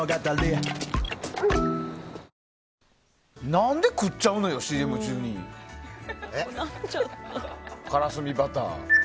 何で食っちゃうのよ、ＣＭ中に。からすみバター。